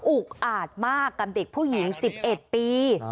อุกอาจมากกับเด็กผู้หญิง๑๑ปี